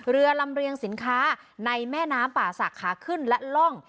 เรือลำเรียงสินค้าในแม่น้ำป่าศักดิ์ขาขึ้นและล่อง